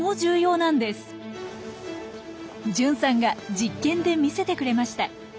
純さんが実験で見せてくれました。